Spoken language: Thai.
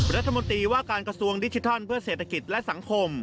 รัฐมนตรีว่าการกระทรวงดิจิทัลเพื่อเศรษฐกิจและสังคม